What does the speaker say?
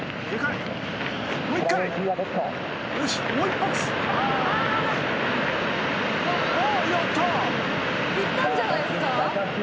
いったんじゃないですか？